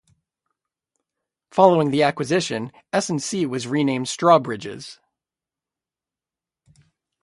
Following the acquisition, S and C was renamed Strawbridge's.